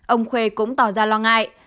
ông khuê cũng tỏ ra lo ngại